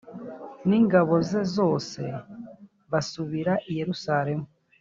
n ingabo ze zose basubira i yerusalemu